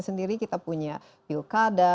sendiri kita punya pilkada